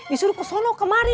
disuruh ke sono kemana